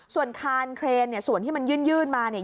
ส่วนคานเครนเนี่ยส่วนที่มันยื่นมาเนี่ย